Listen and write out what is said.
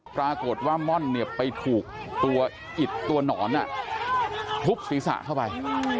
ปรากฏว่าม่อนเนี่ยไปถูกตัวอิดตัวหนอนทุบศีรษะเข้าไป